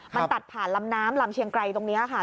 มันตัดผ่านลำน้ำลำเชียงไกรตรงนี้ค่ะ